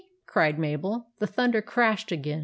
cried Mabel. The thunder crashed again.